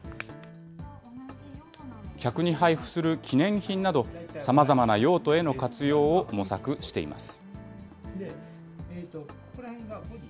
客に配布する記念品など、さまざまな用途への活用を模索しています。